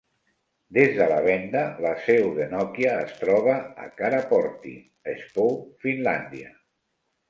Des de la venda, la seu de Nokia es troba a Karaportti, Espoo (Finlàndia).